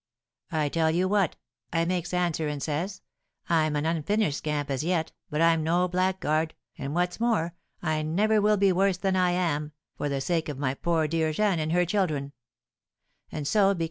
'I tell you what,' I makes answer and says, 'I'm an unfinished scamp as yet, but I'm no blackguard, and, what's more, I never will be worse than I am, for the sake of my poor dear Jeanne and her children; and so because M.